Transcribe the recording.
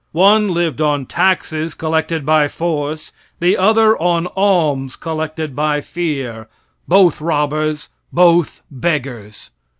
One lived on taxes collected by force, the other on alms collected by fear both robbers, both beggars.